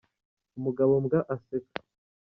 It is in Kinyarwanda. Umugabo mbwa aseka.